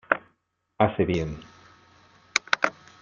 hace bien.